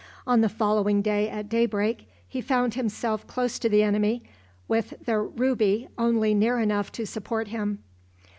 On the following day at daybreak he found himself close to the enemy, with the "Ruby" only near enough to support him.